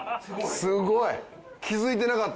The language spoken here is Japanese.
すごい。